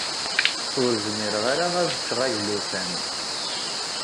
Ur zmireɣ ara ad ččeɣ aglutan.